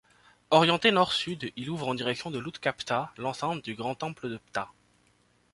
Orienté nord-sud, il ouvre en direction de l'Hout-ka-Ptah, l'enceinte du grand temple de Ptah.